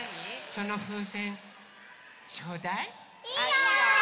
そのふうせんちょうだい？いいよ！